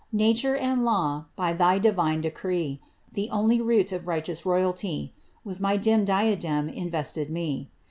Nature and law, hj thy divine decree, (The only root of righteous royalty), With my dim diadem invested me.